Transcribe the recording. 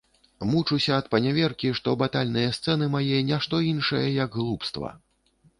Мучуся ад паняверкі, што батальныя сцэны мае не што іншае, як глупства.